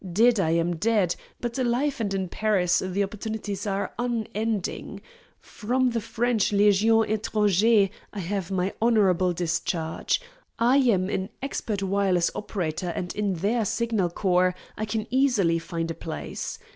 Dead I am dead, but alive and in Paris the opportunities are unending. From the French Legion Etranger I have my honorable discharge. I am an expert wireless operator and in their Signal Corps I can easily find a place.